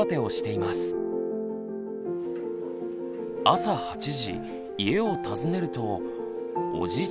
朝８時家を訪ねるとおじい